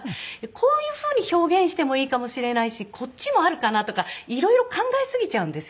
こういうふうに表現してもいいかもしれないしこっちもあるかなとか色々考えすぎちゃうんですよね。